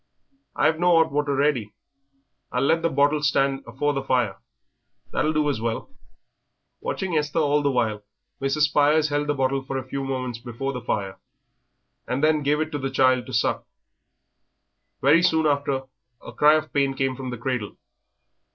"I've no 'ot water ready; I'll let the bottle stand afore the fire, that'll do as well." Watching Esther all the while, Mrs. Spires held the bottle a few moments before the fire, and then gave it to the child to suck. Very soon after a cry of pain came from the cradle.